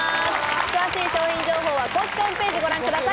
詳しい商品情報は公式ホームページをご覧ください。